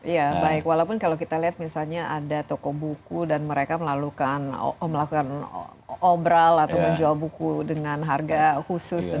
ya baik walaupun kalau kita lihat misalnya ada toko buku dan mereka melakukan obral atau menjual buku dengan harga khusus